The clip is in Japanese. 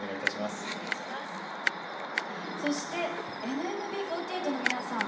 そしてＮＭＢ４８の皆さん。